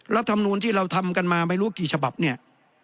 รัฐมนูลที่เราทำกันมาไม่รู้กี่ฉบับเนี่ย